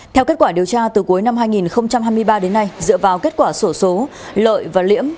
theo kết quả điều tra từ cuối năm hai nghìn hai mươi ba đến nay dựa vào kết quả sổ số lợi và liễm